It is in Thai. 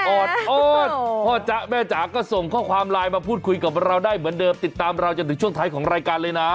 อดทอดพ่อจ๊ะแม่จ๋าก็ส่งข้อความไลน์มาพูดคุยกับเราได้เหมือนเดิมติดตามเราจนถึงช่วงท้ายของรายการเลยนะ